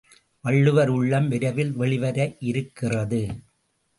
வள்ளுவர் உள்ளம் விரைவில் வெளிவர இருக்கிறது.